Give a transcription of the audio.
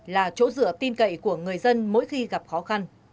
là chỗ dựa tin cậy của người dân mỗi khi gặp khó khăn